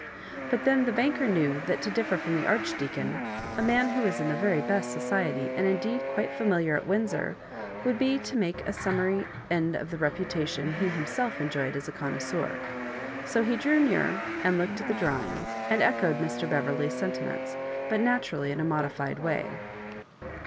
But then the banker knew that to differ from the Archdeacon, a man who was in the very best society, and indeed quite &miliar at Windsor, would be to make a summary end of the reputation he himself enjoyed as a oonnoia> seur. So he drew near and looked at the draw* ing, and echoed Mr. Beverley's sentiments — ^but naturally in a modiffed way.